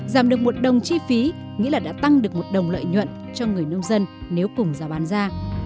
giảm được một đồng chi phí nghĩa là đã tăng được một đồng lợi nhuận cho người nông dân nếu cùng giá bán ra